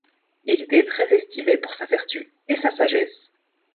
Il était très estimé pour sa vertu et sa sagesse.